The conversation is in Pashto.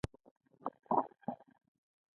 او هم د سیمې او دنیا حالت